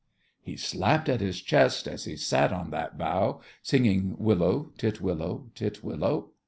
He slapped at his chest, as he sat on that bough, Singing "Willow, titwillow, titwillow!"